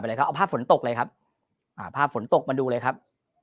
มาไปเลยก่อนฝนตกเลยครับอ่าฝนตกมาดูเลยครับ